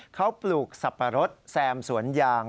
เขาปลูกสับปะรดแซมสวนยาง